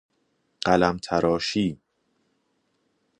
قلمتراشی